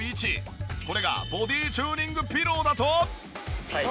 これがボディチューニングピローだと？